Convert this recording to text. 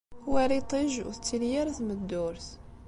War iṭij, ur tettili ara tmeddurt.